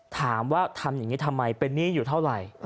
ถามว่าทำอย่างนี้ทำไมเป็นหนี้อยู่เท่าไหร่